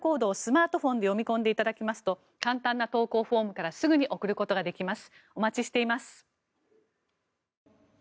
また、画面上の時刻の横に出ているＱＲコードをスマートフォンで読み込んでいただきますと簡単な投稿フォームからすぐに送ることができます。